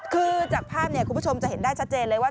คือจากภาพเนี่ยคุณผู้ชมจะเห็นได้ชัดเจนเลยว่า